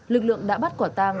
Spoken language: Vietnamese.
lực lượng đã bắt quả tang